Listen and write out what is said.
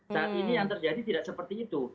saat ini yang terjadi tidak seperti itu